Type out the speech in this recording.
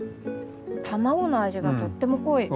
卵の味がとっても濃い。